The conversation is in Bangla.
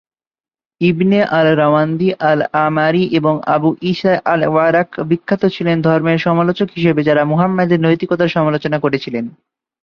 ইবনে আল-রাওয়ান্দি, আল-মা’আরি এবং আবু ইসা আল-ওয়ারাক বিখ্যাত ছিলেন ধর্মের সমালোচক হিসেবে যারা মুহাম্মাদের নৈতিকতার সমালোচনা করেছিলেন।